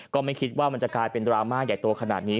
ก็ไม่คิดว่ามันจะกลายเป็นดราม่าใหญ่โตขนาดนี้